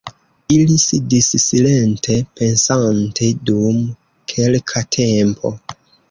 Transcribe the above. Ili sidis silente pensante dum kelka tempo.